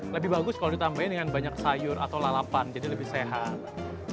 lebih bagus kalau ditambahin dengan banyak sayur atau lalapan jadi lebih sehat